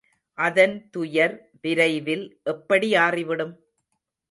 அதன் துயர் விரைவில் எப்படி ஆறிவிடும்?